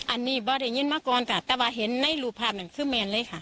อันนี้บ่ได้ยินมาก่อนค่ะแต่ว่าเห็นในรูปภาพนั้นคือแมนเลยค่ะ